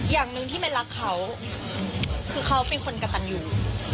อย่างหนึ่งที่เมนรักเขาคือเขาเป็นคนกระตันอยู่